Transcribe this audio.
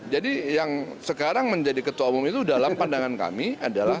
jadi yang sekarang menjadi ketua umum itu dalam pandangan kami adalah